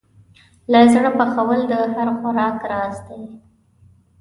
له زړه پخول د هر خوراک راز دی.